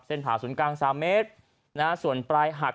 เส้นผาศูนย์กลาง๓เมตรส่วนปลายหัก